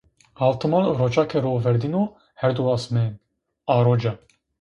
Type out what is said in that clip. Hawtemal roca ke ro verdino herd u asmên, a roca.